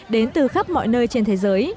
đến từ khắp mọi nơi trên thế giới